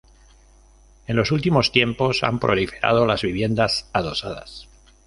En los últimos tiempos, han proliferado las viviendas adosadas.